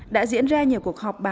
đã diễn ra nhiều cuộc họp bàn